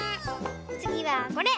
つぎはこれ！